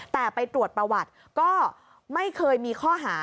แต่ไปตรวจประวัติก็ไม่เคยมีข้อหา